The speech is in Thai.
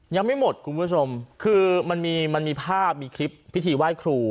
ยังไม่หมดคุณผู้ชมคือมันมีมันมีภาพมีคลิปพิธีไหว้ครู